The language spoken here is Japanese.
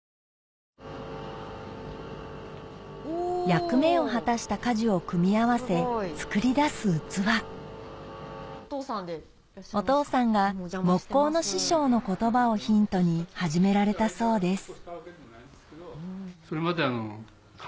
役目を果たした果樹を組み合わせ作り出す器お父さんが木工の師匠の言葉をヒントに始められたそうです